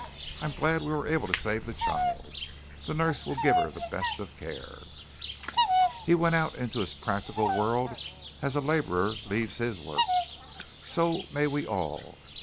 I'm glad we were able to save the child. The nurse will give her the best of care." He went out into his practical world as a laborer leaves his work. So may we all.